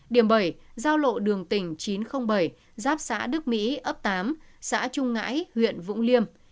điểm bảy giao lộ đường tỉnh chín trăm linh bảy giáp xã đức mỹ ấp tám xã trung ngãi huyện vũng liêm